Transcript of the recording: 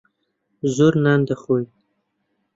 زۆر نان دەخۆین.